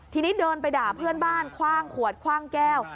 ทีนี้เดินไปด่าเพื่อนบ้านคว่างขวดคว่างแก้ว